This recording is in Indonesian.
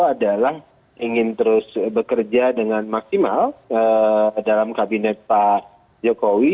adalah ingin terus bekerja dengan maksimal dalam kabinet pak jokowi